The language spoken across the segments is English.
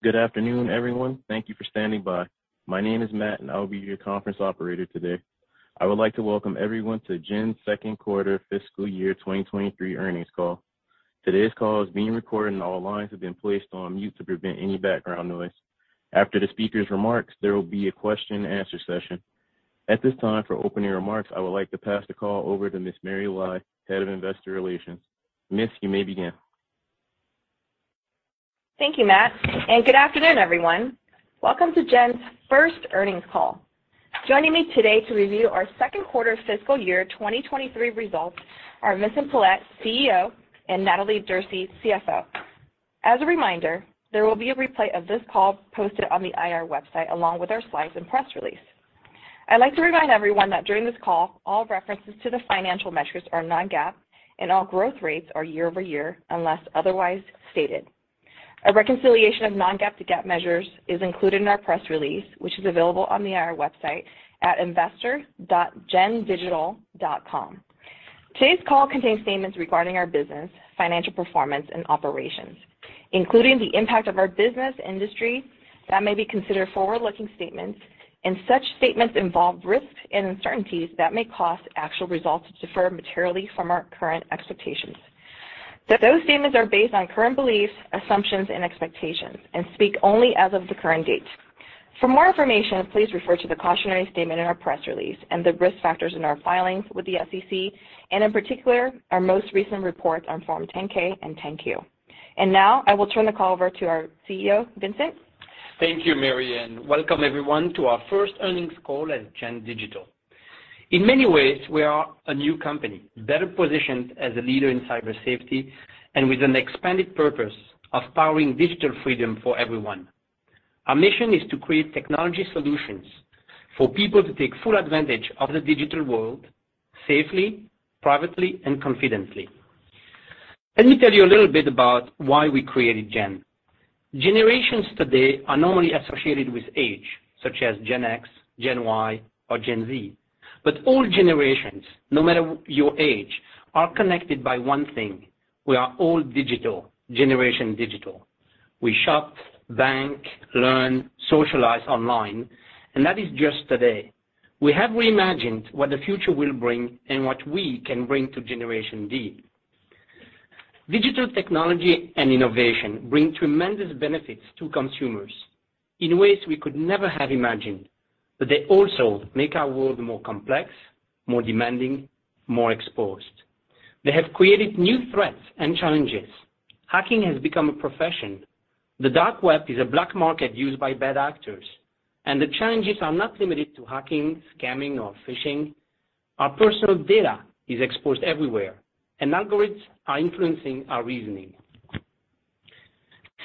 Good afternoon, everyone. Thank you for standing by. My name is Matt, and I will be your conference operator today. I would like to welcome everyone to Gen's second quarter fiscal year 2023 earnings call. Today's call is being recorded, and all lines have been placed on mute to prevent any background noise. After the speaker's remarks, there will be a question and answer session. At this time, for opening remarks, I would like to pass the call over to Ms. Mary Lai, Head of Investor Relations. Miss, you may begin. Thank you, Matt, and good afternoon, everyone. Welcome to Gen's first earnings call. Joining me today to review our second quarter fiscal year 2023 results are Vincent Pilette, CEO, and Natalie Derse, CFO. As a reminder, there will be a replay of this call posted on the IR website, along with our slides and press release. I'd like to remind everyone that during this call, all references to the financial metrics are non-GAAP, and all growth rates are year over year, unless otherwise stated. A reconciliation of non-GAAP to GAAP measures is included in our press release, which is available on the IR website at investor.gendigital.com. Today's call contains statements regarding our business, financial performance, and operations, including the impact of our business and industry that may be considered forward-looking statements, and such statements involve risks and uncertainties that may cause actual results to differ materially from our current expectations. That those statements are based on current beliefs, assumptions, and expectations and speak only as of the current date. For more information, please refer to the cautionary statement in our press release and the risk factors in our filings with the SEC, and in particular, our most recent report on Form 10-K and 10-Q. Now I will turn the call over to our CEO, Vincent. Thank you, Mary, and welcome everyone to our first earnings call at Gen Digital. In many ways, we are a new company, better positioned as a leader in cyber safety and with an expanded purpose of powering digital freedom for everyone. Our mission is to create technology solutions for people to take full advantage of the digital world safely, privately, and confidently. Let me tell you a little bit about why we created Gen. Generations today are normally associated with age, such as Gen X, Gen Y, or Gen Z. All generations, no matter what your age, are connected by one thing. We are all digital, Generation Digital. We shop, bank, learn, socialize online, and that is just today. We have reimagined what the future will bring and what we can bring to Generation D. Digital technology and innovation bring tremendous benefits to consumers in ways we could never have imagined, but they also make our world more complex, more demanding, more exposed. They have created new threats and challenges. Hacking has become a profession. The dark web is a black market used by bad actors, and the challenges are not limited to hacking, scamming, or phishing. Our personal data is exposed everywhere, and algorithms are influencing our reasoning.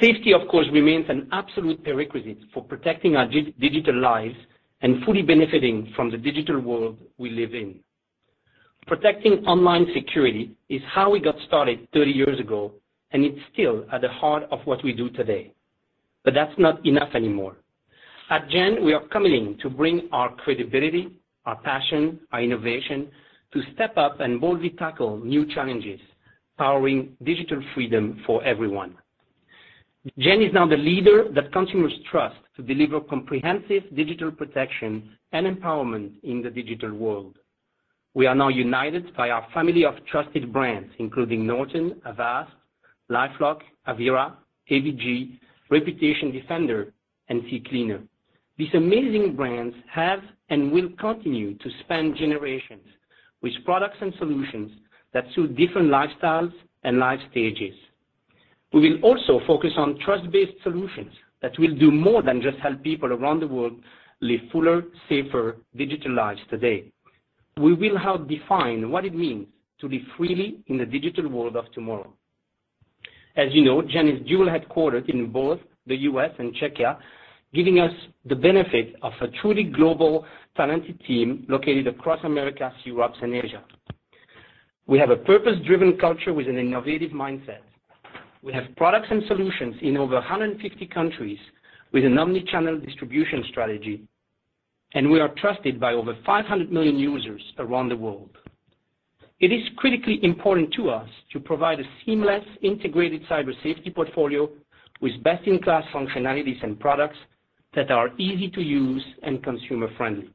Safety, of course, remains an absolute prerequisite for protecting our digital lives and fully benefiting from the digital world we live in. Protecting online security is how we got started 30 years ago, and it's still at the heart of what we do today. That's not enough anymore. At Gen, we are committing to bring our credibility, our passion, our innovation to step up and boldly tackle new challenges, powering digital freedom for everyone. Gen is now the leader that consumers trust to deliver comprehensive digital protection and empowerment in the digital world. We are now united by our family of trusted brands, including Norton, Avast, LifeLock, Avira, AVG, ReputationDefender, and CCleaner. These amazing brands have and will continue to span generations with products and solutions that suit different lifestyles and life stages. We will also focus on trust-based solutions that will do more than just help people around the world live fuller, safer digital lives today. We will help define what it means to live freely in the digital world of tomorrow. As you know, Gen is dual-headquartered in both the U.S. and Czechia, giving us the benefit of a truly global talented team located across Americas, Europe, and Asia. We have a purpose-driven culture with an innovative mindset. We have products and solutions in over 150 countries with an omni-channel distribution strategy, and we are trusted by over 500 million users around the world. It is critically important to us to provide a seamless, integrated cyber safety portfolio with best-in-class functionalities and products that are easy to use and consumer-friendly.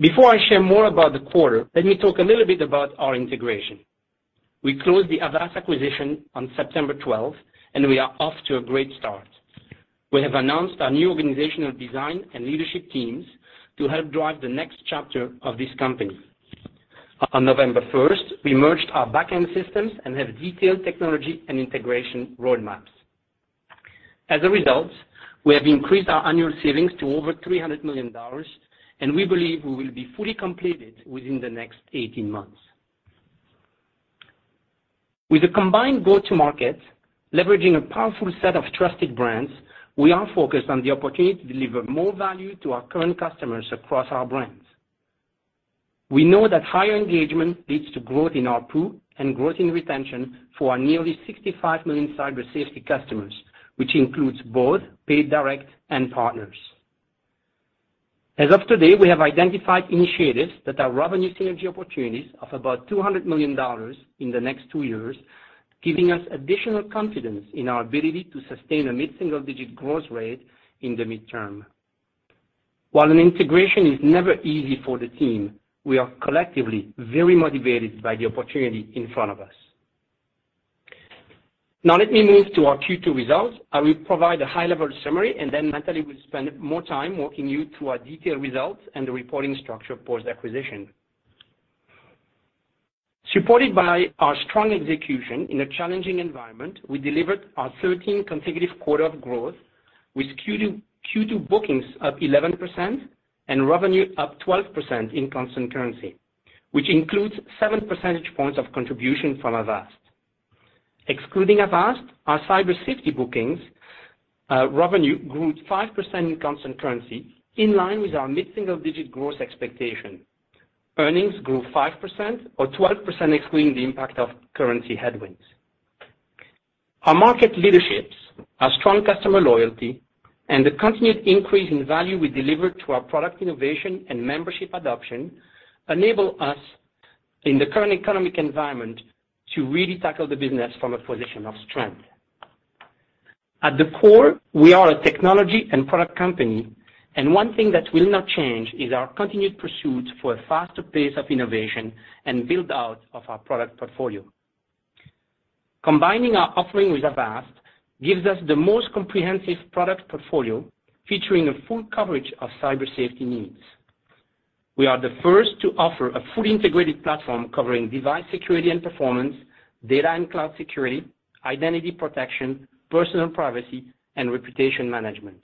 Before I share more about the quarter, let me talk a little bit about our integration. We closed the Avast acquisition on September 12, and we are off to a great start. We have announced our new organizational design and leadership teams to help drive the next chapter of this company. On November 1, we merged our back-end systems and have detailed technology and integration roadmaps. As a result, we have increased our annual savings to over $300 million, and we believe we will be fully completed within the next 18 months. With a combined go-to-market, leveraging a powerful set of trusted brands, we are focused on the opportunity to deliver more value to our current customers across our brands. We know that higher engagement leads to growth in our pool and growth in retention for our nearly 65 million cyber safety customers, which includes both paid direct and partners. As of today, we have identified initiatives that are revenue synergy opportunities of about $200 million in the next 2 years, giving us additional confidence in our ability to sustain a mid-single-digit growth rate in the midterm. While an integration is never easy for the team, we are collectively very motivated by the opportunity in front of us. Now let me move to our Q2 results. I will provide a high-level summary, and then Natalie will spend more time walking you through our detailed results and the reporting structure post-acquisition. Supported by our strong execution in a challenging environment, we delivered our thirteenth consecutive quarter of growth, with Q2 bookings up 11% and revenue up 12% in constant currency, which includes 7 percentage points of contribution from Avast. Excluding Avast, our cyber safety bookings, revenue grew 5% in constant currency, in line with our mid-single digit growth expectation. Earnings grew 5% or 12% excluding the impact of currency headwinds. Our market leaderships, our strong customer loyalty, and the continued increase in value we deliver to our product innovation and membership adoption enable us, in the current economic environment, to really tackle the business from a position of strength. At the core, we are a technology and product company, and one thing that will not change is our continued pursuit for a faster pace of innovation and build-out of our product portfolio. Combining our offering with Avast gives us the most comprehensive product portfolio featuring a full coverage of cyber safety needs. We are the first to offer a fully integrated platform covering device security and performance, data and cloud security, identity protection, personal privacy, and reputation management.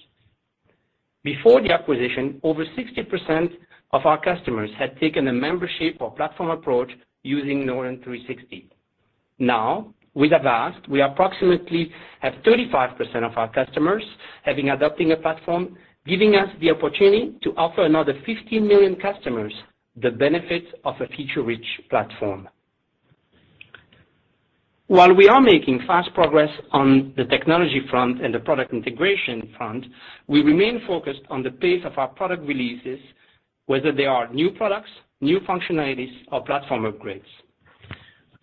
Before the acquisition, over 60% of our customers had taken a membership or platform approach using Norton 360. Now, with Avast, we approximately have 35% of our customers having adopted a platform, giving us the opportunity to offer another 50 million customers the benefits of a feature-rich platform. While we are making fast progress on the technology front and the product integration front, we remain focused on the pace of our product releases, whether they are new products, new functionalities, or platform upgrades.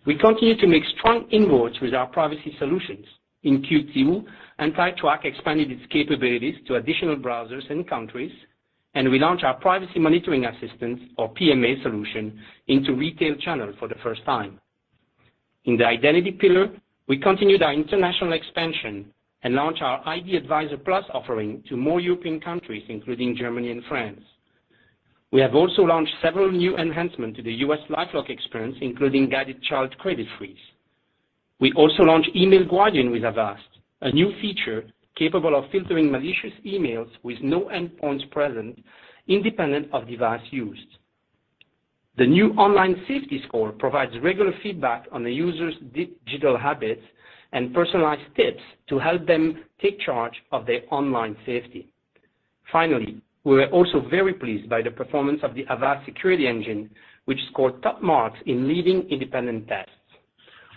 We continue to make strong inroads with our privacy solutions. In Q2, AntiTrack expanded its capabilities to additional browsers and countries, and we launched our Privacy Monitor Assistant, or PMA solution, into retail channels for the first time. In the identity pillar, we continued our international expansion and launched our ID Advisor Plus offering to more European countries, including Germany and France. We have also launched several new enhancements to the U.S. LifeLock experience, including guided child credit freeze. We also launched Email Guardian with Avast, a new feature capable of filtering malicious emails with no endpoints present independent of device used. The new online safety score provides regular feedback on the user's digital habits and personalized tips to help them take charge of their online safety. Finally, we're also very pleased by the performance of the Avast security engine, which scored top marks in leading independent tests.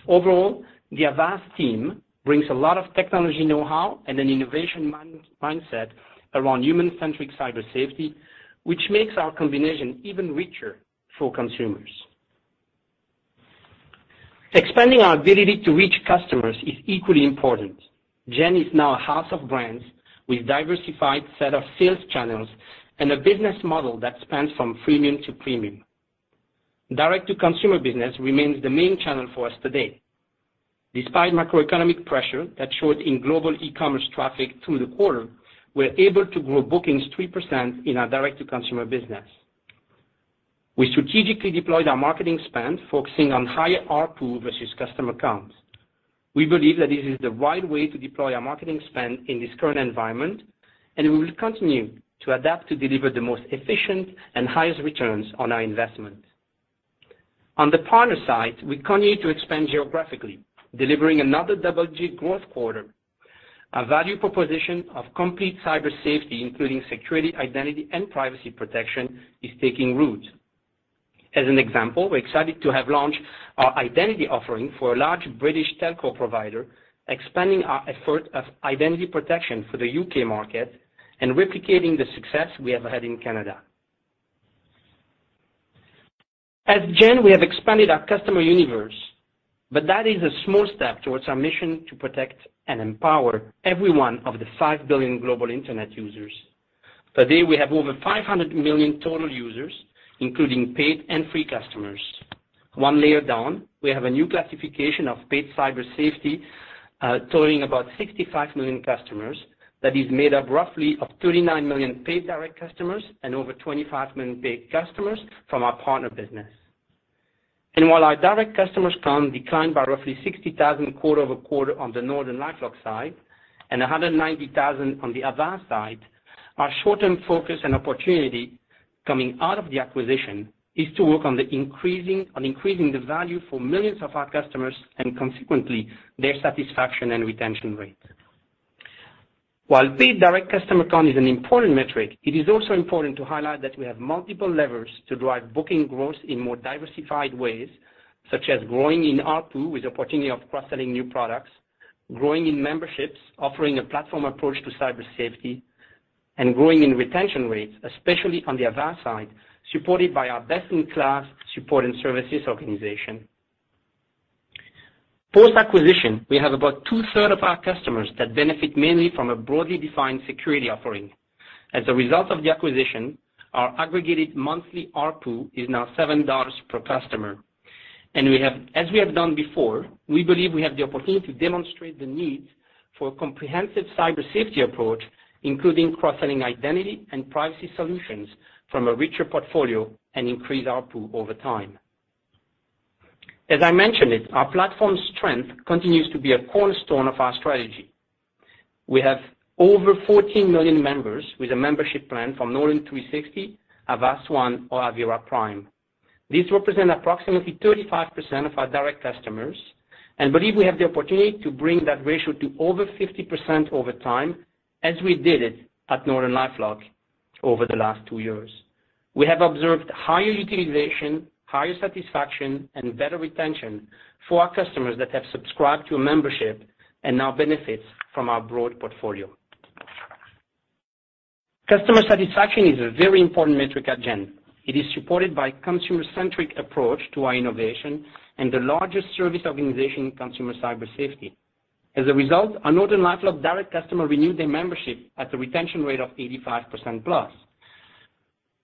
Overall, the Avast team brings a lot of technology know-how and an innovation mindset around human-centric cyber safety, which makes our combination even richer for consumers. Expanding our ability to reach customers is equally important. Gen is now a house of brands with diversified set of sales channels and a business model that spans from freemium to premium. Direct-to-consumer business remains the main channel for us today. Despite macroeconomic pressure that showed in global e-commerce traffic through the quarter, we're able to grow bookings 3% in our direct-to-consumer business. We strategically deployed our marketing spend, focusing on higher ARPU versus customer counts. We believe that this is the right way to deploy our marketing spend in this current environment, and we will continue to adapt to deliver the most efficient and highest returns on our investment. On the partner side, we continue to expand geographically, delivering another double-digit growth quarter. Our value proposition of complete cyber safety, including security, identity, and privacy protection, is taking root. As an example, we're excited to have launched our identity offering for a large British telco provider, expanding our effort of identity protection for the UK market and replicating the success we have had in Canada. As Gen, we have expanded our customer universe, but that is a small step towards our mission to protect and empower every one of the 5 billion global internet users. Today, we have over 500 million total users, including paid and free customers. One layer down, we have a new classification of paid cyber safety, totaling about 65 million customers that is made up roughly of 39 million paid direct customers and over 25 million paid customers from our partner business. While our direct customer count declined by roughly 60,000 quarter-over-quarter on the NortonLifeLock side and 190,000 on the Avast side, our short-term focus and opportunity coming out of the acquisition is to work on increasing the value for millions of our customers and consequently their satisfaction and retention rates. While paid direct customer count is an important metric, it is also important to highlight that we have multiple levers to drive booking growth in more diversified ways, such as growing in ARPU with the opportunity of cross-selling new products. Growing in memberships, offering a platform approach to cyber safety, and growing in retention rates, especially on the Avast side, supported by our best-in-class support and services organization. Post-acquisition, we have about two-thirds of our customers that benefit mainly from a broadly defined security offering. As a result of the acquisition, our aggregated monthly ARPU is now $7 per customer. As we have done before, we believe we have the opportunity to demonstrate the need for a comprehensive cyber safety approach, including cross-selling identity and privacy solutions from a richer portfolio and increase ARPU over time. As I mentioned it, our platform strength continues to be a cornerstone of our strategy. We have over 14 million members with a membership plan from Norton 360, Avast One or Avira Prime. These represent approximately 35% of our direct customers, and believe we have the opportunity to bring that ratio to over 50% over time, as we did it at NortonLifeLock over the last two years. We have observed higher utilization, higher satisfaction, and better retention for our customers that have subscribed to a membership and now benefits from our broad portfolio. Customer satisfaction is a very important metric at Gen. It is supported by consumer-centric approach to our innovation and the largest service organization in consumer cyber safety. As a result, our NortonLifeLock direct customers renew their membership at a retention rate of 85%+.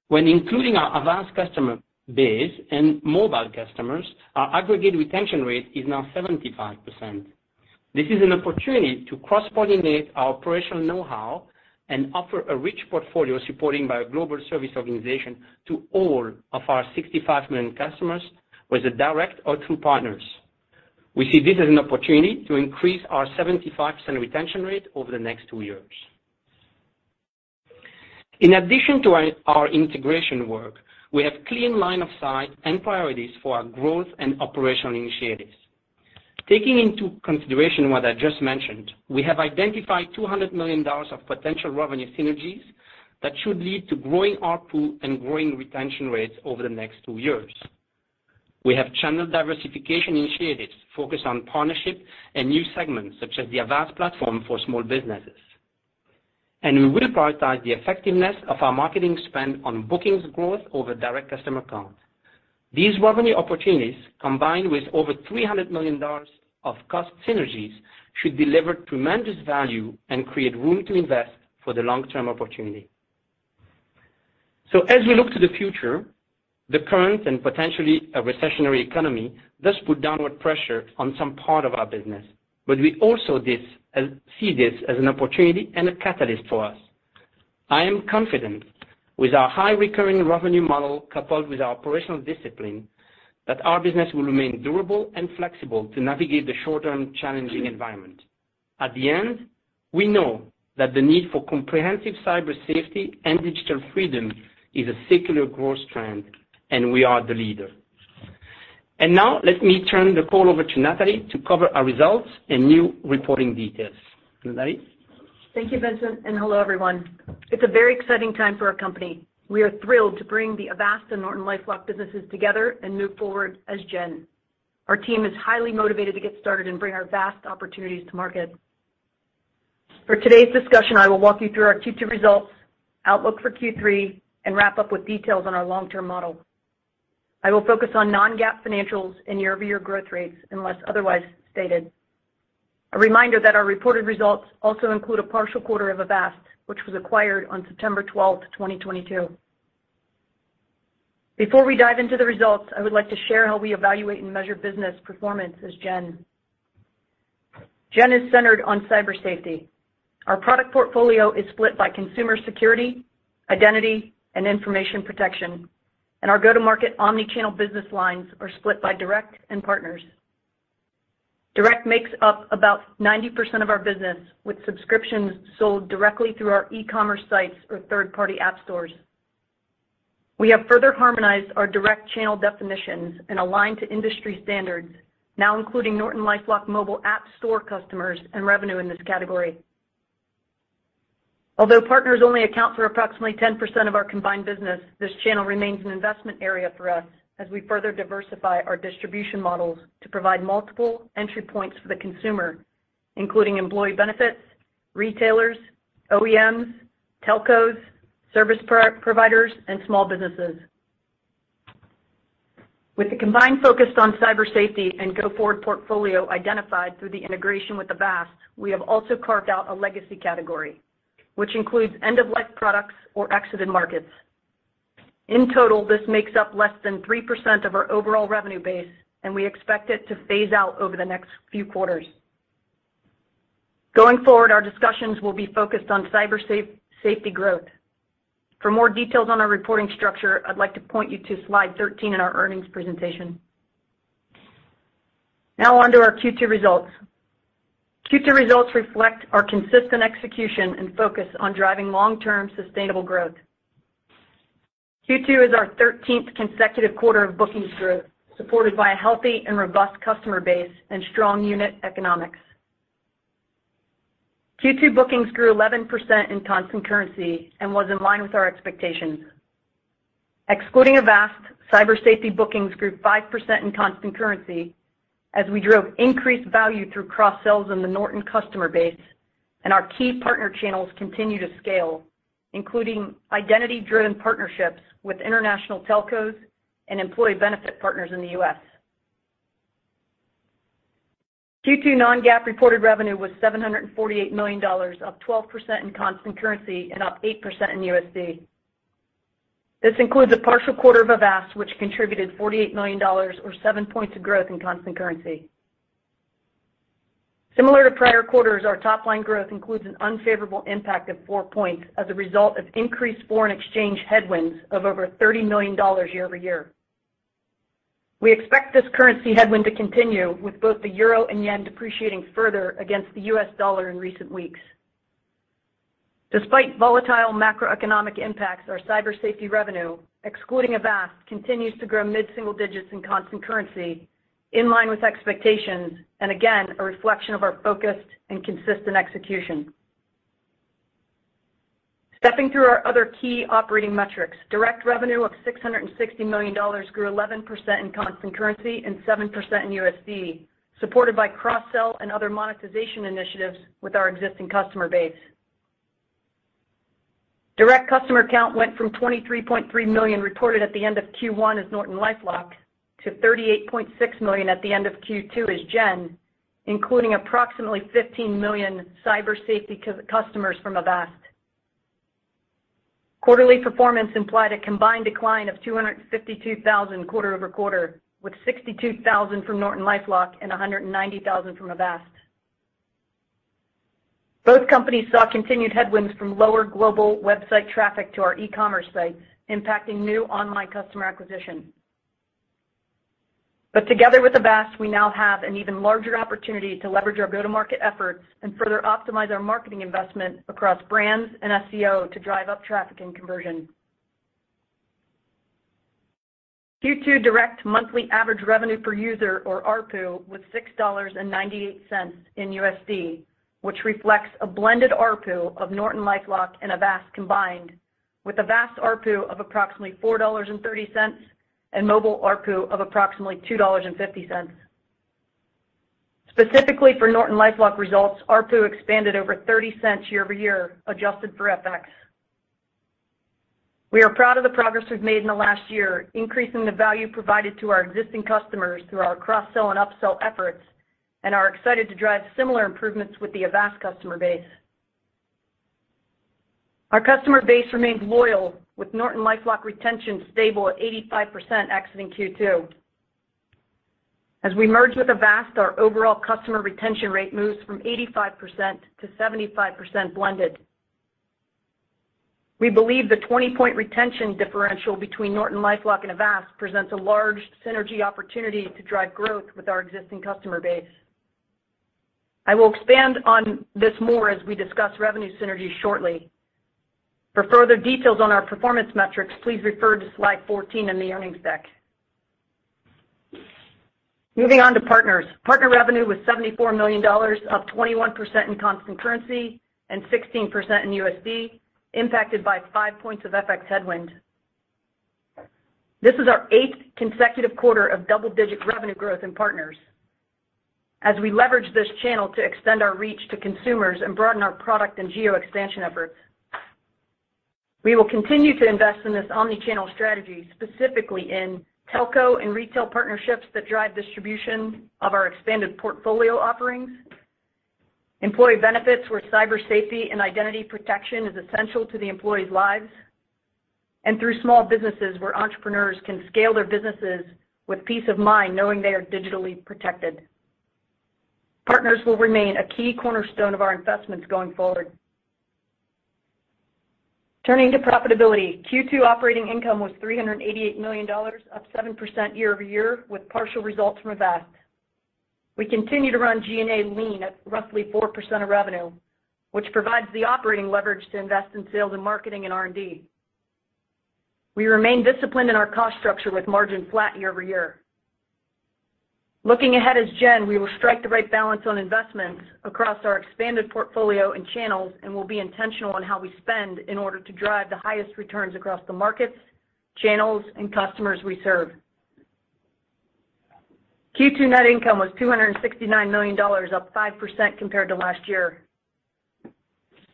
When including our Avast customer base and mobile customers, our aggregate retention rate is now 75%. This is an opportunity to cross-pollinate our operational know-how and offer a rich portfolio supported by a global service organization to all of our 65 million customers, whether direct or through partners. We see this as an opportunity to increase our 75% retention rate over the next two years. In addition to our integration work, we have clean line of sight and priorities for our growth and operational initiatives. Taking into consideration what I just mentioned, we have identified $200 million of potential revenue synergies that should lead to growing ARPU and growing retention rates over the next two years. We have channel diversification initiatives focused on partnership and new segments, such as the Avast platform for small businesses. We will prioritize the effectiveness of our marketing spend on bookings growth over direct customer count. These revenue opportunities, combined with over $300 million of cost synergies, should deliver tremendous value and create room to invest for the long-term opportunity. As we look to the future, the current and potentially a recessionary economy does put downward pressure on some part of our business, but we also see this as an opportunity and a catalyst for us. I am confident with our high recurring revenue model coupled with our operational discipline, that our business will remain durable and flexible to navigate the short-term challenging environment. At the end, we know that the need for comprehensive cyber safety and digital freedom is a secular growth trend, and we are the leader. Now let me turn the call over to Natalie Derse to cover our results and new reporting details. Natalie Derse? Thank you, Vincent, and hello, everyone. It's a very exciting time for our company. We are thrilled to bring the Avast and NortonLifeLock businesses together and move forward as Gen. Our team is highly motivated to get started and bring our vast opportunities to market. For today's discussion, I will walk you through our Q2 results, outlook for Q3, and wrap up with details on our long-term model. I will focus on non-GAAP financials and year-over-year growth rates unless otherwise stated. A reminder that our reported results also include a partial quarter of Avast, which was acquired on September 12, 2022. Before we dive into the results, I would like to share how we evaluate and measure business performance as Gen. Gen is centered on cyber safety. Our product portfolio is split by consumer security, identity, and information protection, and our go-to-market omni-channel business lines are split by direct and partners. Direct makes up about 90% of our business, with subscriptions sold directly through our e-commerce sites or third-party app stores. We have further harmonized our direct channel definitions and aligned to industry standards, now including NortonLifeLock mobile app store customers and revenue in this category. Although partners only account for approximately 10% of our combined business, this channel remains an investment area for us as we further diversify our distribution models to provide multiple entry points for the consumer, including employee benefits, retailers, OEMs, telcos, service providers, and small businesses. With the combined focus on cyber safety and go-forward portfolio identified through the integration with Avast, we have also carved out a legacy category, which includes end-of-life products or exited markets. In total, this makes up less than 3% of our overall revenue base, and we expect it to phase out over the next few quarters. Going forward, our discussions will be focused on cyber safety growth. For more details on our reporting structure, I'd like to point you to slide 13 in our earnings presentation. Now on to our Q2 results. Q2 results reflect our consistent execution and focus on driving long-term sustainable growth. Q2 is our 13th consecutive quarter of bookings growth, supported by a healthy and robust customer base and strong unit economics. Q2 bookings grew 11% in constant currency and was in line with our expectations. Excluding Avast, cyber safety bookings grew 5% in constant currency as we drove increased value through cross-sells in the Norton customer base and our key partner channels continue to scale, including identity-driven partnerships with international telcos and employee benefit partners in the U.S. Q2 non-GAAP reported revenue was $748 million, up 12% in constant currency and up 8% in USD. This includes a partial quarter of Avast, which contributed $48 million or seven points of growth in constant currency. Similar to prior quarters, our top-line growth includes an unfavorable impact of four points as a result of increased foreign exchange headwinds of over $30 million year-over-year. We expect this currency headwind to continue with both the euro and yen depreciating further against the U.S. dollar in recent weeks. Despite volatile macroeconomic impacts, our cyber safety revenue, excluding Avast, continues to grow mid-single digits in constant currency, in line with expectations, and again, a reflection of our focused and consistent execution. Stepping through our other key operating metrics, direct revenue of $660 million grew 11% in constant currency and 7% in USD, supported by cross-sell and other monetization initiatives with our existing customer base. Direct customer count went from 23.3 million reported at the end of Q1 as NortonLifeLock to 38.6 million at the end of Q2 as Gen, including approximately 15 million cyber safety customers from Avast. Quarterly performance implied a combined decline of 252,000 quarter-over-quarter, with 62,000 from NortonLifeLock and 190,000 from Avast. Both companies saw continued headwinds from lower global website traffic to our e-commerce sites, impacting new online customer acquisition. Together with Avast, we now have an even larger opportunity to leverage our go-to-market efforts and further optimize our marketing investment across brands and SEO to drive up traffic and conversion. Q2 direct monthly average revenue per user, or ARPU, was $6.98 in USD, which reflects a blended ARPU of NortonLifeLock and Avast combined, with Avast ARPU of approximately $4.30 and mobile ARPU of approximately $2.50. Specifically for NortonLifeLock results, ARPU expanded over $0.30 year over year, adjusted for FX. We are proud of the progress we've made in the last year, increasing the value provided to our existing customers through our cross-sell and upsell efforts, and are excited to drive similar improvements with the Avast customer base. Our customer base remains loyal, with NortonLifeLock retention stable at 85% exiting Q2. As we merge with Avast, our overall customer retention rate moves from 85%-75% blended. We believe the 20-point retention differential between NortonLifeLock and Avast presents a large synergy opportunity to drive growth with our existing customer base. I will expand on this more as we discuss revenue synergies shortly. For further details on our performance metrics, please refer to slide 14 in the earnings deck. Moving on to partners. Partner revenue was $74 million, up 21% in constant currency and 16% in USD, impacted by 5 points of FX headwind. This is our 8th consecutive quarter of double-digit revenue growth in partners. As we leverage this channel to extend our reach to consumers and broaden our product and geo expansion efforts, we will continue to invest in this omni-channel strategy, specifically in telco and retail partnerships that drive distribution of our expanded portfolio offerings, employee benefits where cyber safety and identity protection is essential to the employees' lives, and through small businesses where entrepreneurs can scale their businesses with peace of mind knowing they are digitally protected. Partners will remain a key cornerstone of our investments going forward. Turning to profitability. Q2 operating income was $388 million, up 7% year-over-year, with partial results from Avast. We continue to run G&A lean at roughly 4% of revenue, which provides the operating leverage to invest in sales and marketing and R&D. We remain disciplined in our cost structure with margin flat year-over-year. Looking ahead as Gen, we will strike the right balance on investments across our expanded portfolio and channels, and we'll be intentional on how we spend in order to drive the highest returns across the markets, channels, and customers we serve. Q2 net income was $269 million, up 5% compared to last year.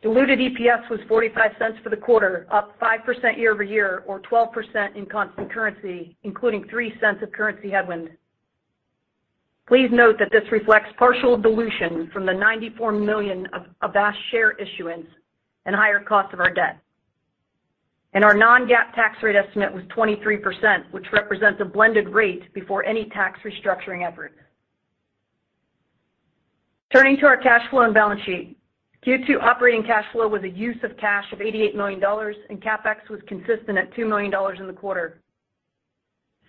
Diluted EPS was $0.45 for the quarter, up 5% year over year or 12% in constant currency, including $0.03 of currency headwind. Please note that this reflects partial dilution from the 94 million of Avast share issuance and higher cost of our debt. Our non-GAAP tax rate estimate was 23%, which represents a blended rate before any tax restructuring effort. Turning to our cash flow and balance sheet. Q2 operating cash flow was a use of cash of $88 million, and CapEx was consistent at $2 million in the quarter.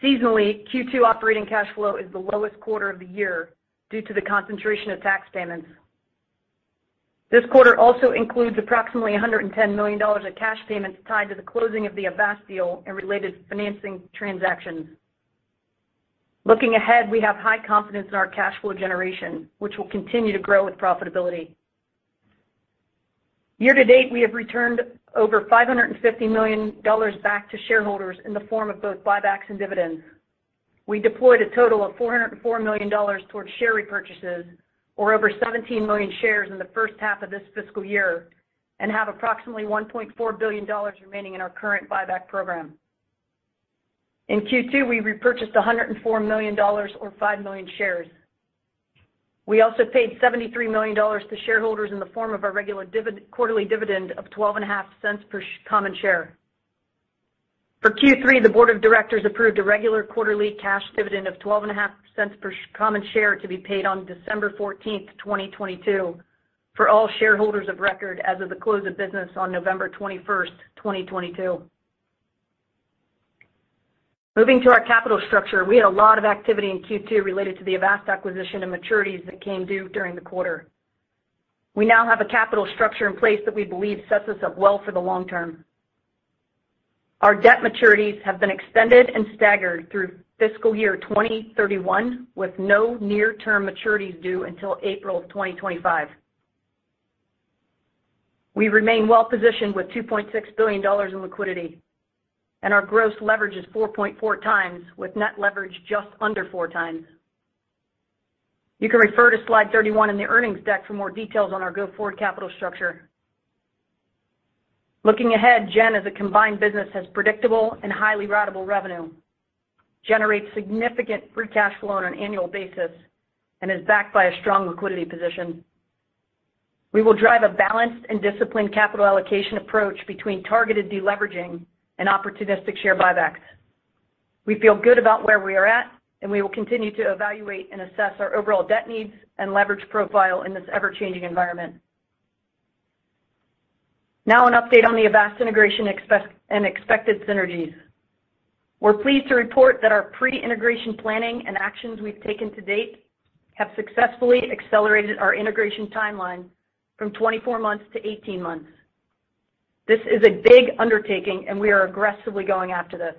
Seasonally, Q2 operating cash flow is the lowest quarter of the year due to the concentration of tax payments. This quarter also includes approximately $110 million of cash payments tied to the closing of the Avast deal and related financing transactions. Looking ahead, we have high confidence in our cash flow generation, which will continue to grow with profitability. Year to date, we have returned over $550 million back to shareholders in the form of both buybacks and dividends. We deployed a total of $404 million towards share repurchases or over 17 million shares in the first half of this fiscal year, and have approximately $1.4 billion remaining in our current buyback program. In Q2, we repurchased $104 million or 5 million shares. We also paid $73 million to shareholders in the form of our regular quarterly dividend of 12.5 cents per common share. For Q3, the board of directors approved a regular quarterly cash dividend of 12.5 cents per common share to be paid on December fourteenth, 2022 for all shareholders of record as of the close of business on November twenty-first, 2022. Moving to our capital structure, we had a lot of activity in Q2 related to the Avast acquisition and maturities that came due during the quarter. We now have a capital structure in place that we believe sets us up well for the long term. Our debt maturities have been extended and staggered through fiscal year 2031, with no near-term maturities due until April of 2025. We remain well-positioned with $2.6 billion in liquidity, and our gross leverage is 4.4x, with net leverage just under 4x. You can refer to slide 31 in the earnings deck for more details on our go-forward capital structure. Looking ahead, Gen, as a combined business, has predictable and highly ratable revenue, generates significant free cash flow on an annual basis, and is backed by a strong liquidity position. We will drive a balanced and disciplined capital allocation approach between targeted deleveraging and opportunistic share buybacks. We feel good about where we are at, and we will continue to evaluate and assess our overall debt needs and leverage profile in this ever-changing environment. Now an update on the Avast integration and expected synergies. We're pleased to report that our pre-integration planning and actions we've taken to date have successfully accelerated our integration timeline from 24 months to 18 months. This is a big undertaking and we are aggressively going after this.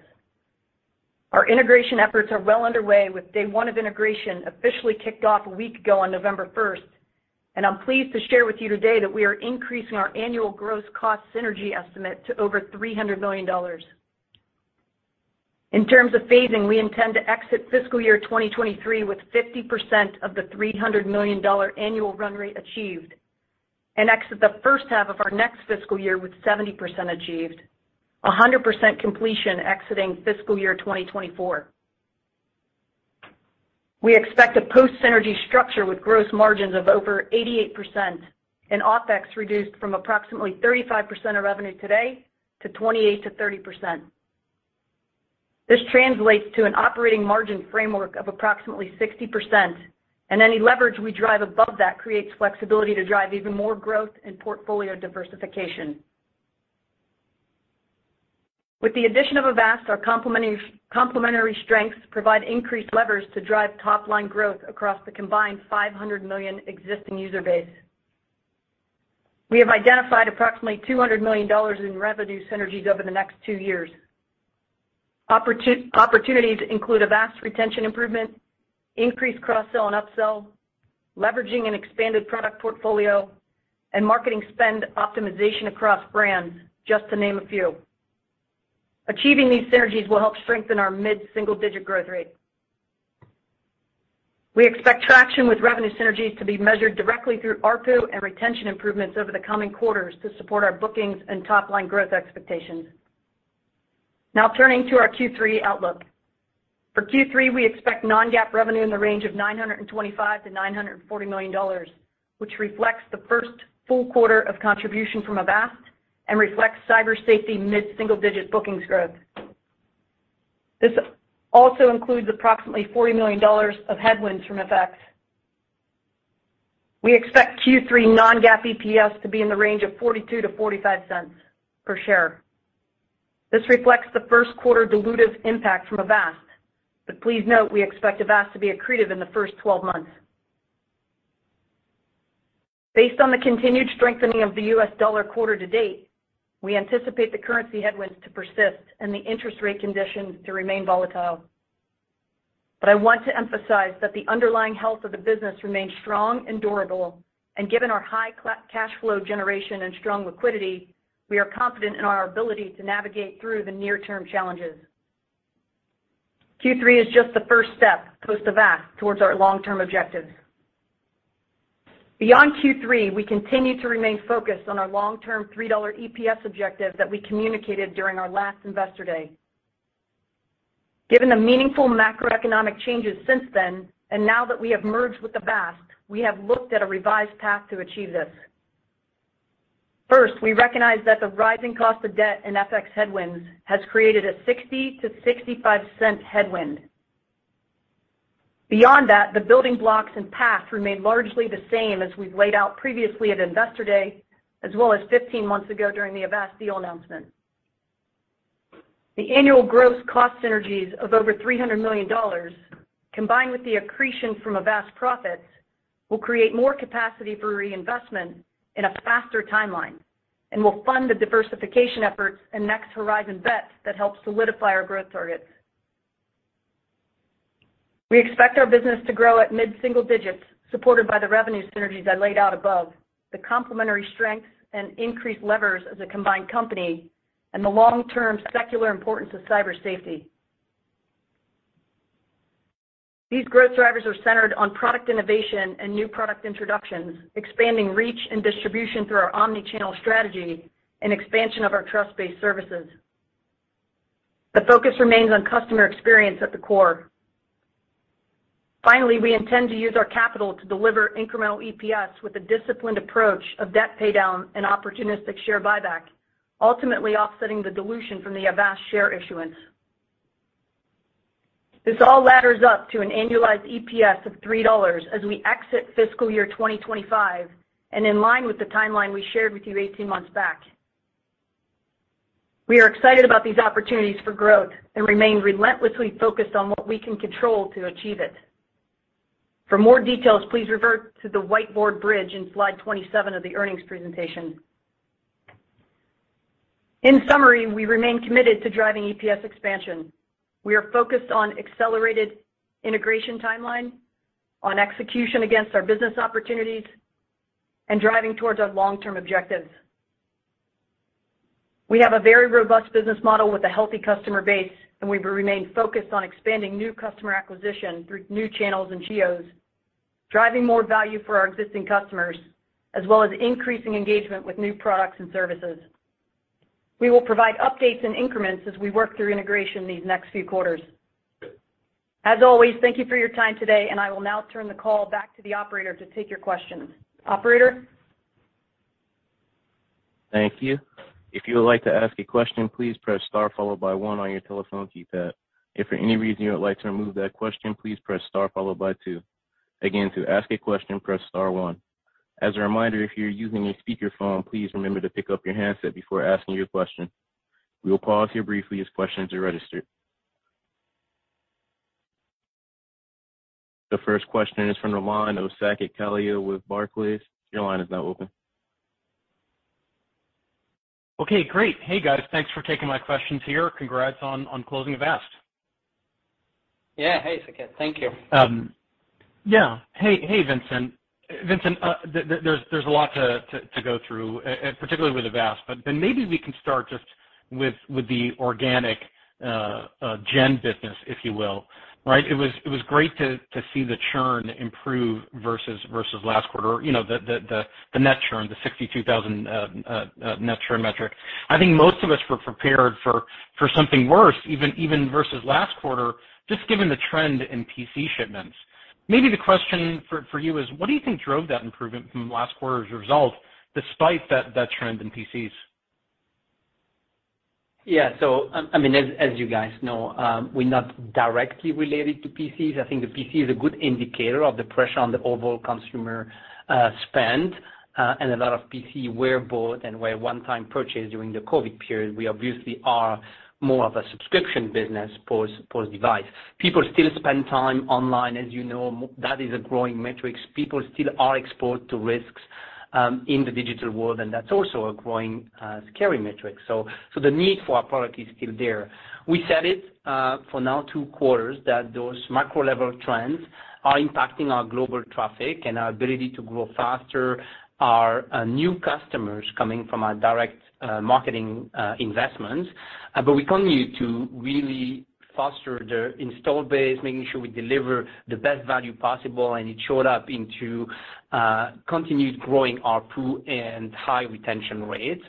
Our integration efforts are well underway, with day one of integration officially kicked off a week ago on November 1, and I'm pleased to share with you today that we are increasing our annual gross cost synergy estimate to over $300 million. In terms of phasing, we intend to exit fiscal year 2023 with 50% of the $300 million annual run rate achieved, and exit the first half of our next fiscal year with 70% achieved, 100% completion exiting fiscal year 2024. We expect a post-synergy structure with gross margins of over 88% and OpEx reduced from approximately 35% of revenue today to 28%-30%. This translates to an operating margin framework of approximately 60%, and any leverage we drive above that creates flexibility to drive even more growth and portfolio diversification. With the addition of Avast, our complementary strengths provide increased levers to drive top-line growth across the combined 500 million existing user base. We have identified approximately $200 million in revenue synergies over the next two years. Opportunities include Avast retention improvement, increased cross-sell and up-sell, leveraging an expanded product portfolio, and marketing spend optimization across brands, just to name a few. Achieving these synergies will help strengthen our mid-single-digit growth rate. We expect traction with revenue synergies to be measured directly through ARPU and retention improvements over the coming quarters to support our bookings and top-line growth expectations. Now turning to our Q3 outlook. For Q3, we expect non-GAAP revenue in the range of $925 million-$940 million, which reflects the first full quarter of contribution from Avast and reflects cyber safety mid-single-digit bookings growth. This also includes approximately $40 million of headwinds from FX. We expect Q3 non-GAAP EPS to be in the range of $0.42-$0.45 per share. This reflects the first quarter dilutive impact from Avast, but please note we expect Avast to be accretive in the first 12 months. Based on the continued strengthening of the U.S. dollar quarter-to-date, we anticipate the currency headwinds to persist and the interest rate conditions to remain volatile. I want to emphasize that the underlying health of the business remains strong and durable, and given our high cash flow generation and strong liquidity, we are confident in our ability to navigate through the near-term challenges. Q3 is just the first step post Avast towards our long-term objectives. Beyond Q3, we continue to remain focused on our long-term $3 EPS objective that we communicated during our last Investor Day. Given the meaningful macroeconomic changes since then, and now that we have merged with Avast, we have looked at a revised path to achieve this. First, we recognize that the rising cost of debt and FX headwinds has created a $0.60-$0.65 headwind. Beyond that, the building blocks and path remain largely the same as we've laid out previously at Investor Day, as well as 15 months ago during the Avast deal announcement. The annual gross cost synergies of over $300 million, combined with the accretion from Avast profits, will create more capacity for reinvestment in a faster timeline. Will fund the diversification efforts and next horizon bets that help solidify our growth targets. We expect our business to grow at mid-single digits, supported by the revenue synergies I laid out above, the complementary strengths and increased levers as a combined company, and the long-term secular importance of cyber safety. These growth drivers are centered on product innovation and new product introductions, expanding reach and distribution through our omni-channel strategy and expansion of our trust-based services. The focus remains on customer experience at the core. Finally, we intend to use our capital to deliver incremental EPS with a disciplined approach of debt paydown and opportunistic share buyback, ultimately offsetting the dilution from the Avast share issuance. This all ladders up to an annualized EPS of $3 as we exit fiscal year 2025 and in line with the timeline we shared with you 18 months back. We are excited about these opportunities for growth and remain relentlessly focused on what we can control to achieve it. For more details, please refer to the whiteboard bridge in slide 27 of the earnings presentation. In summary, we remain committed to driving EPS expansion. We are focused on accelerated integration timeline, on execution against our business opportunities, and driving towards our long-term objectives. We have a very robust business model with a healthy customer base, and we will remain focused on expanding new customer acquisition through new channels and geos, driving more value for our existing customers, as well as increasing engagement with new products and services. We will provide updates and increments as we work through integration these next few quarters. As always, thank you for your time today, and I will now turn the call back to the operator to take your questions. Operator? Thank you. If you would like to ask a question, please press star followed by one on your telephone keypad. If for any reason you would like to remove that question, please press star followed by two. Again, to ask a question, press star one. As a reminder, if you're using a speakerphone, please remember to pick up your handset before asking your question. We will pause here briefly as questions are registered. The first question is from the line of Saket Kalia with Barclays. Your line is now open. Okay, great. Hey, guys. Thanks for taking my questions here. Congrats on closing Avast. Yeah. Hey, Saket. Thank you. Yeah. Hey, Vincent. Vincent, there's a lot to go through, particularly with Avast. Maybe we can start just with the organic Gen business, if you will. Right? It was great to see the churn improve versus last quarter. You know, the net churn, the 62,000 net churn metric. I think most of us were prepared for something worse, even versus last quarter, just given the trend in PC shipments. Maybe the question for you is, what do you think drove that improvement from last quarter's result despite that trend in PCs? Yeah. I mean, as you guys know, we're not directly related to PCs. I think the PC is a good indicator of the pressure on the overall consumer spend, and a lot of PCs were bought and were one-time purchases during the COVID period. We obviously are more of a subscription business post-device. People still spend time online, as you know, that is a growing metric. People still are exposed to risks in the digital world, and that's also a growing scary metric. The need for our product is still there. We said it for now 2 quarters that those macro-level trends are impacting our global traffic and our ability to grow faster our new customers coming from our direct marketing investments. We continue to really foster their install base, making sure we deliver the best value possible, and it showed up into continued growing ARPU and high retention rates.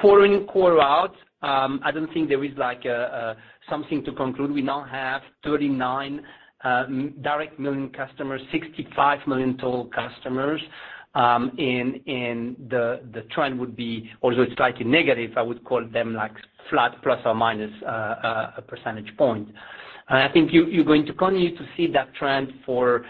Quarter in, quarter out, I don't think there is like something to conclude. We now have 39 million direct customers, 65 million total customers, and the trend would be also slightly negative. I would call them like flat plus or minus a percentage point. I think you're going to continue to see that trend for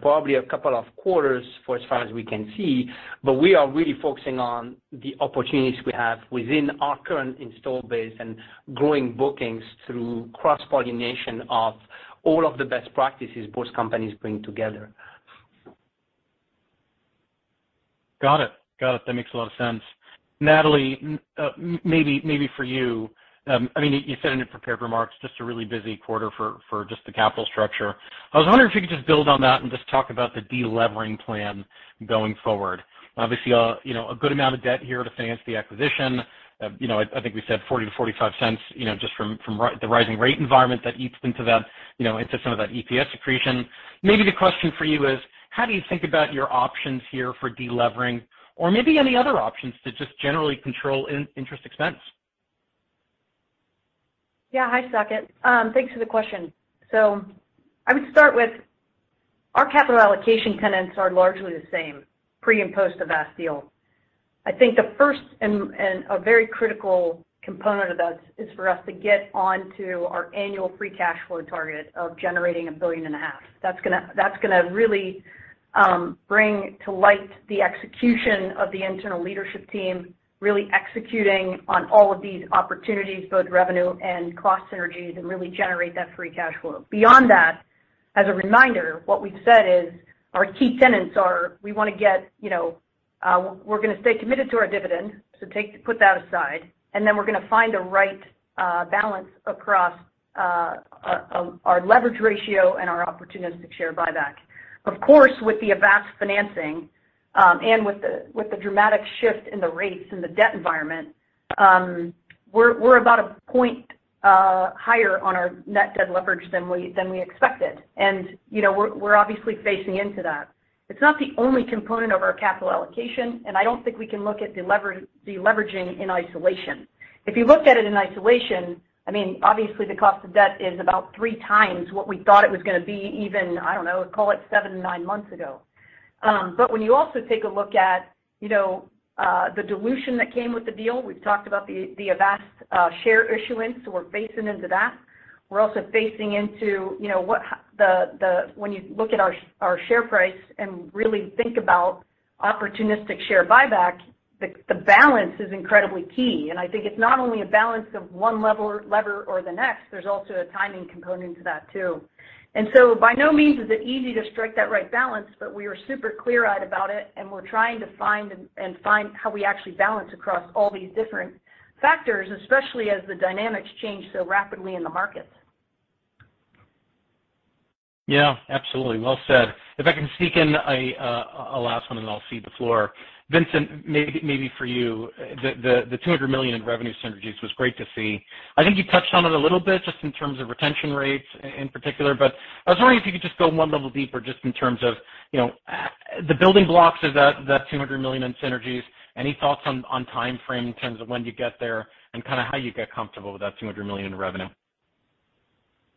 probably a couple of quarters for as far as we can see. We are really focusing on the opportunities we have within our current install base and growing bookings through cross-pollination of all of the best practices both companies bring together. Got it. That makes a lot of sense. Natalie, maybe for you, I mean, you said in your prepared remarks, just a really busy quarter for the capital structure. I was wondering if you could just build on that and just talk about the delevering plan going forward. Obviously, you know, a good amount of debt here to finance the acquisition. You know, I think we said $0.40-$0.45, you know, just from the rising rate environment that eats into that, you know, into some of that EPS accretion. Maybe the question for you is, how do you think about your options here for delevering? Or maybe any other options to just generally control interest expense? Yeah. Hi, Saket. Thanks for the question. So I would start with our capital allocation tenets are largely the same, pre and post Avast deal. I think the first and a very critical component of that is for us to get onto our annual free cash flow target of generating $1.5 billion. That's gonna really bring to light the execution of the internal leadership team, really executing on all of these opportunities, both revenue and cost synergies, and really generate that free cash flow. Beyond that. As a reminder, what we've said is our key tenets are we wanna get, we're gonna stay committed to our dividend, so put that aside, and then we're gonna find the right balance across our leverage ratio and our opportunistic share buyback. Of course, with the Avast financing, and with the dramatic shift in the rates in the debt environment, we're about a point higher on our net debt leverage than we expected. You know, we're obviously facing into that. It's not the only component of our capital allocation, and I don't think we can look at deleveraging in isolation. If you looked at it in isolation, I mean, obviously the cost of debt is about 3 times what we thought it was gonna be even, I don't know, call it 7, 9 months ago. When you also take a look at, you know, the dilution that came with the deal, we've talked about the Avast share issuance, so we're facing into that. We're also facing into, you know, when you look at our share price and really think about opportunistic share buyback, the balance is incredibly key. I think it's not only a balance of one lever or the next, there's also a timing component to that too. By no means is it easy to strike that right balance, but we are super clear-eyed about it, and we're trying to find how we actually balance across all these different factors, especially as the dynamics change so rapidly in the markets. Yeah, absolutely. Well said. If I can sneak in a last one, and then I'll cede the floor. Vincent, maybe for you. The $200 million in revenue synergies was great to see. I think you touched on it a little bit just in terms of retention rates in particular, but I was wondering if you could just go one level deeper just in terms of, you know, the building blocks of that $200 million in synergies. Any thoughts on timeframe in terms of when you get there and kinda how you get comfortable with that $200 million in revenue?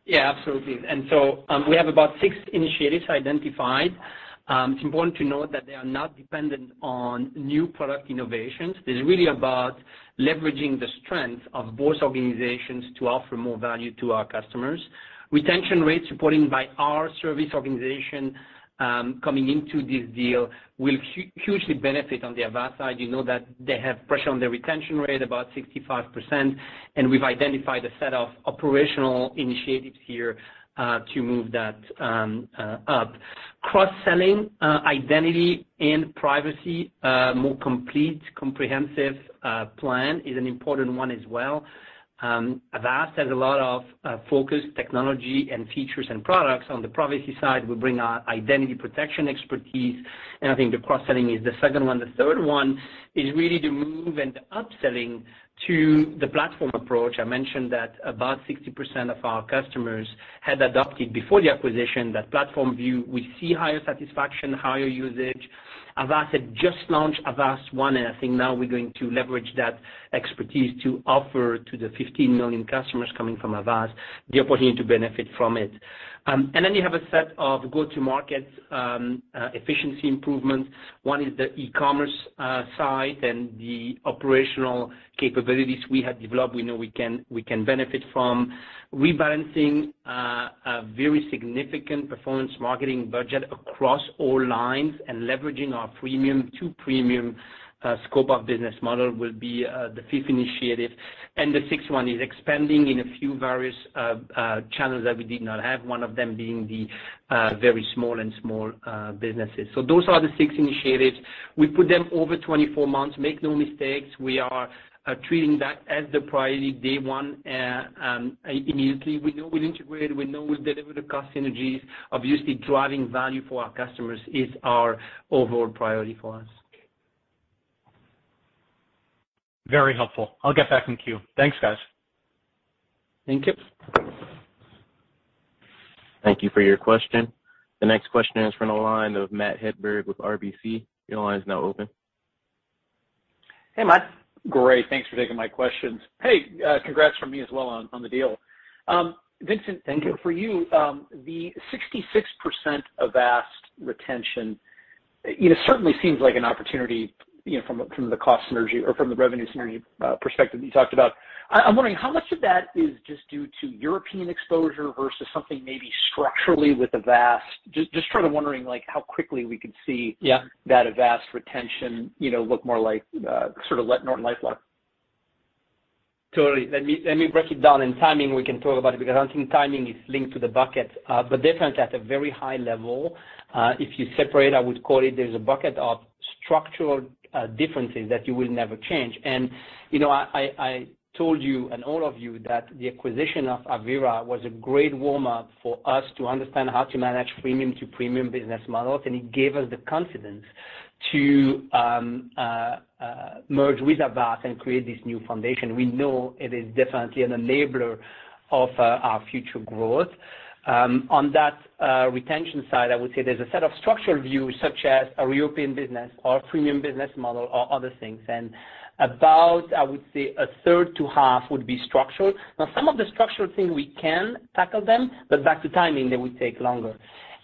Yeah, absolutely. We have about 6 initiatives identified. It's important to note that they are not dependent on new product innovations. It's really about leveraging the strength of both organizations to offer more value to our customers. Retention rates supported by our service organization coming into this deal will hugely benefit on the Avast side. You know that they have pressure on their retention rate, about 65%, and we've identified a set of operational initiatives here to move that up. Cross-selling identity and privacy more complete, comprehensive plan is an important one as well. Avast has a lot of focus, technology, and features and products on the privacy side. We bring our identity protection expertise, and I think the cross-selling is the second one. The third one is really the move and the upselling to the platform approach. I mentioned that about 60% of our customers had adopted before the acquisition that platform view. We see higher satisfaction, higher usage. Avast had just launched Avast One, and I think now we're going to leverage that expertise to offer to the 15 million customers coming from Avast the opportunity to benefit from it. You have a set of go-to-market efficiency improvements. One is the e-commerce side and the operational capabilities we have developed, we know we can benefit from. Rebalancing a very significant performance marketing budget across all lines and leveraging our freemium-to-premium scope of business model will be the fifth initiative. The sixth one is expanding in a few various channels that we did not have, one of them being the very small and small businesses. Those are the six initiatives. We put them over 24 months. Make no mistakes, we are treating that as the priority day one immediately. We know we'll integrate, we know we'll deliver the cost synergies. Obviously, driving value for our customers is our overall priority for us. Very helpful. I'll get back in queue. Thanks, guys. Thank you. Thank you for your question. The next question is from the line of Matt Hedberg with RBC. Your line is now open. Hey, Matt. Gray. Thanks for taking my questions. Hey, congrats from me as well on the deal. Vincent- Thank you. For you, the 66% Avast retention, you know, certainly seems like an opportunity, you know, from the cost synergy or from the revenue synergy perspective that you talked about. I'm wondering how much of that is just due to European exposure versus something maybe structurally with Avast? Just sort of wondering like how quickly we could see- Yeah. that Avast retention, you know, look more like, sort of like NortonLifeLock. Totally. Let me break it down. Timing, we can talk about it because I think timing is linked to the buckets. Definitely at a very high level, if you separate, I would call it there's a bucket of structural differences that you will never change. You know, I told you and all of you that the acquisition of Avira was a great warm-up for us to understand how to manage freemium-to-premium business models, and it gave us the confidence to merge with Avast and create this new foundation. We know it is definitely an enabler of our future growth. On that retention side, I would say there's a set of structural views such as our European business, our premium business model, or other things. About, I would say, a third to half would be structural. Now some of the structural things, we can tackle them, but back to timing, they will take longer.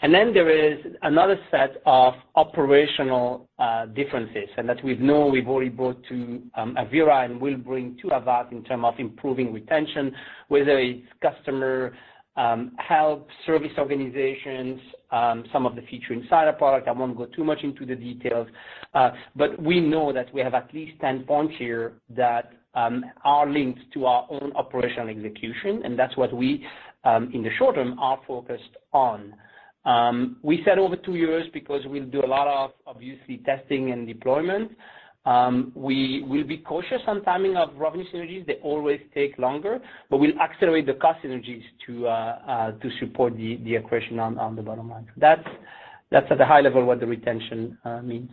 Then there is another set of operational differences, and that we know we've already brought to Avira and will bring to Avast in terms of improving retention, whether it's customer health service organizations, some of the features inside our product. I won't go too much into the details. But we know that we have at least 10 points here that are linked to our own operational execution, and that's what we in the short term are focused on. We said over 2 years because we'll do a lot of obviously testing and deployment. We will be cautious on timing of revenue synergies. They always take longer, but we'll accelerate the cost synergies to support the accretion on the bottom line. That's at a high level what the retention means.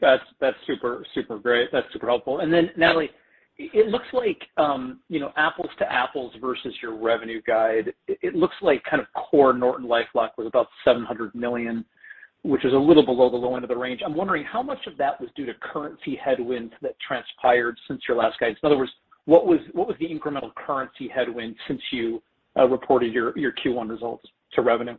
That's super great. That's super helpful. Natalie, it looks like, you know, apples to apples versus your revenue guide. It looks like kind of core NortonLifeLock was about $700 million, which is a little below the low end of the range. I'm wondering how much of that was due to currency headwinds that transpired since your last guidance. In other words, what was the incremental currency headwind since you reported your Q1 results to revenue?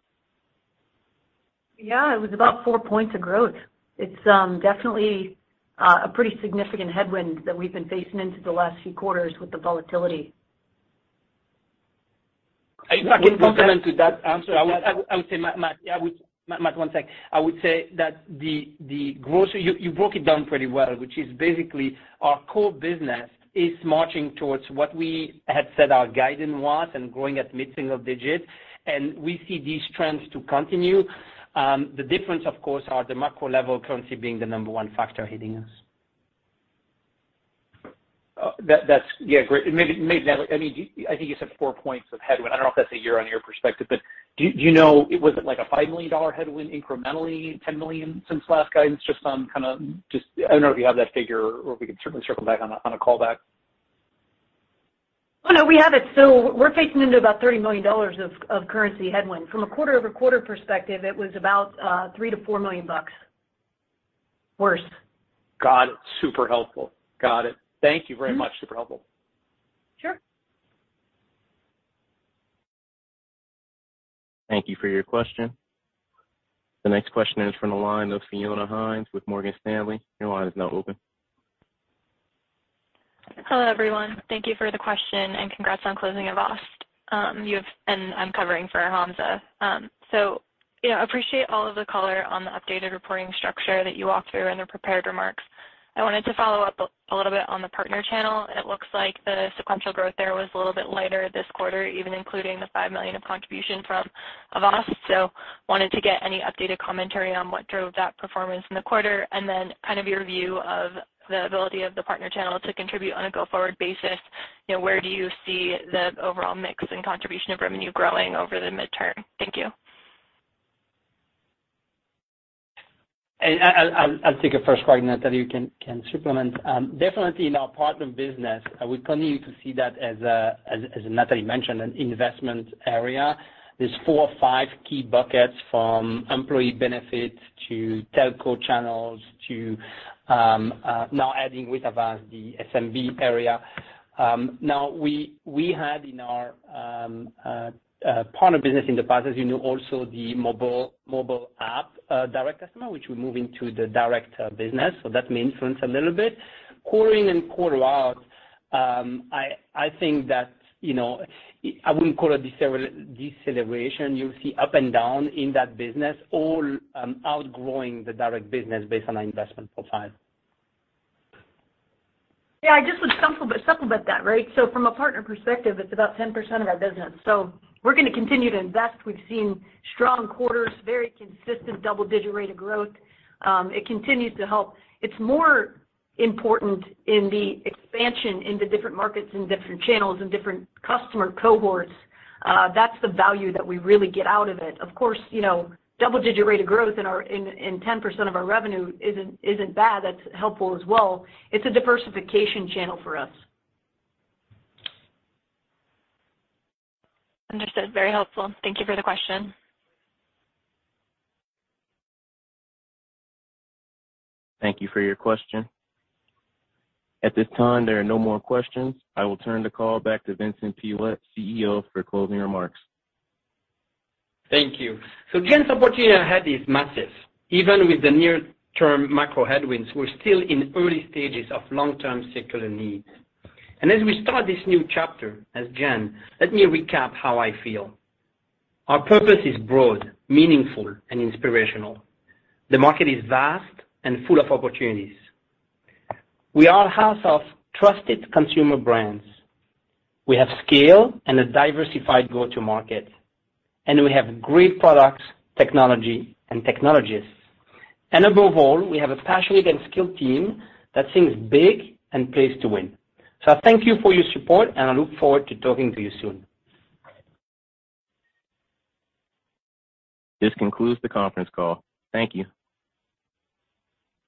Yeah. It was about 4 points of growth. It's definitely a pretty significant headwind that we've been facing into the last few quarters with the volatility. If I can comment on that answer. I would say, Matt, yeah, one sec. I would say that the growth you broke it down pretty well, which is basically our core business is marching towards what we had said our guidance was and growing at mid-single digit. We see these trends to continue. The difference of course are the macro level currency being the number one factor hitting us. Great. Maybe Natalie Derse, I mean, I think you said 4 points of headwind. I don't know if that's a year-on-year perspective, but do you know, was it like a $5 million headwind incrementally, $10 million since last guidance? Just, I don't know if you have that figure or we can certainly circle back on a call back. Oh, no, we have it. We're facing into about $30 million of currency headwind. From a quarter-over-quarter perspective, it was about $3 million-$4 million worse. Got it. Super helpful. Got it. Thank you very much. Mm-hmm. Super helpful. Sure. Thank you for your question. The next question is from the line of Hamza Fodderwala with Morgan Stanley. Your line is now open. Hello, everyone. Thank you for the question, and congrats on closing Avast. I'm covering for Hamza. You know, appreciate all of the color on the updated reporting structure that you walked through in the prepared remarks. I wanted to follow up a little bit on the partner channel. It looks like the sequential growth there was a little bit lighter this quarter, even including the $5 million of contribution from Avast. Wanted to get any updated commentary on what drove that performance in the quarter, and then kind of your view of the ability of the partner channel to contribute on a go-forward basis. You know, where do you see the overall mix and contribution of revenue growing over the midterm? Thank you. I'll take a first crack, and Natalie, you can supplement. Definitely in our partner business, we continue to see that as Natalie mentioned, an investment area. There's four or five key buckets from employee benefits to telco channels to now adding with Avast the SMB area. Now we had in our partner business in the past, as you know, also the mobile app direct customer, which we move into the direct business. That may influence a little bit. Quarter in and quarter out, I think that, you know, I wouldn't call it deceleration. You'll see up and down in that business always outgrowing the direct business based on our investment profile. Yeah. I just would supplement that, right? From a partner perspective, it's about 10% of our business. We're gonna continue to invest. We've seen strong quarters, very consistent double-digit rate of growth. It continues to help. It's more important in the expansion into different markets and different channels and different customer cohorts. That's the value that we really get out of it. Of course, you know, double-digit rate of growth in our ten percent of our revenue isn't bad. That's helpful as well. It's a diversification channel for us. Understood. Very helpful. Thank you for the question. Thank you for your question. At this time, there are no more questions. I will turn the call back to Vincent Pilette, CEO, for closing remarks. Thank you. The opportunity ahead is massive. Even with the near-term macro headwinds, we're still in early stages of long-term secular needs. As we start this new chapter as Gen, let me recap how I feel. Our purpose is broad, meaningful, and inspirational. The market is vast and full of opportunities. We are a house of trusted consumer brands. We have scale and a diversified go-to-market, and we have great products, technology, and technologists. Above all, we have a passionate and skilled team that thinks big and plays to win. Thank you for your support, and I look forward to talking to you soon. This concludes the conference call. Thank you.